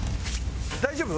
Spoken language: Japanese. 大丈夫？